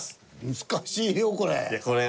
難しいよこれ。